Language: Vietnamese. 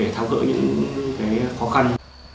để tháo gỡ những khó khăn